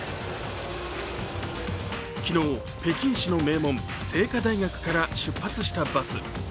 昨日、北京市の名門清華大学から出発したバス。